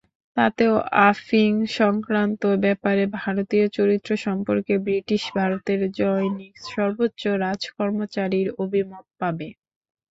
তাতে আফিং-সংক্রান্ত ব্যাপারে ভারতীয় চরিত্র সম্পর্কে বৃটিশ ভারতের জনৈক সর্বোচ্চ রাজকর্মচারীর অভিমত পাবে।